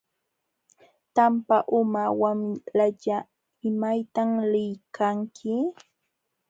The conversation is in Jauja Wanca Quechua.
Tampa uma wamlalla ¿maytam liykanki?